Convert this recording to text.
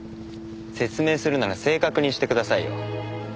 説明するなら正確にしてくださいよ。